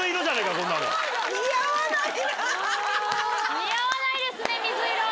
似合わないですね水色！